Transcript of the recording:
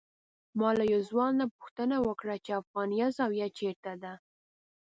ما له یو ځوان نه پوښتنه وکړه چې افغانیه زاویه چېرته ده.